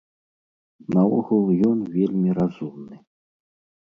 Наогул, ён вельмі разумны.